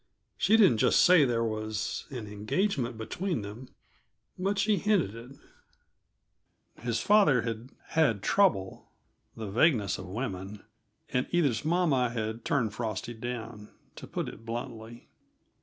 She didn't just say there was an engagement between them, but she hinted it; his father had "had trouble" the vagueness of women! and Edith's mama had turned Frosty down, to put it bluntly.